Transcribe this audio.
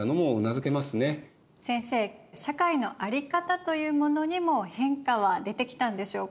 先生社会の在り方というものにも変化は出てきたんでしょうか？